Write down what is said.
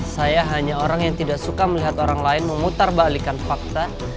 saya hanya orang yang tidak suka melihat orang lain memutar balikan fakta